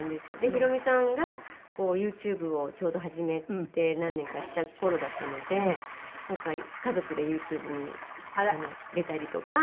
ヒロミさんがＹｏｕＴｕｂｅをちょうど始めて何年かした頃だったので家族でＹｏｕＴｕｂｅに出たりとか。